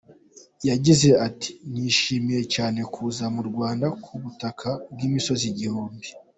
Yagize ati “Nishimiye cyane kuza mu Rwanda, ku butaka bw’imisozi igihumbi.